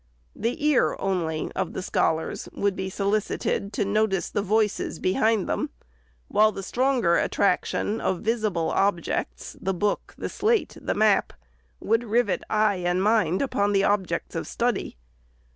The ear only of the scholars would be solicited to notice the voices behind them, while the stronger attraction of visible objects, the book, the slate, the map, would rivet eye and mind upon the subjects of study.